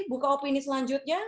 buka opini selanjutnya